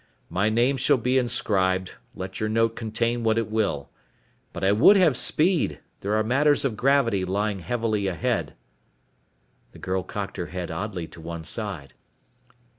My name shall be inscribed, let your note contain what it will. But I would have speed. There are matters of gravity lying heavily ahead." The girl cocked her head oddly to one side.